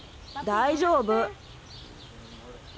大丈夫。